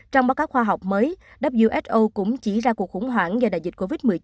trong báo cáo khoa học mới who cũng chỉ ra cuộc khủng hoảng do đại dịch covid một mươi chín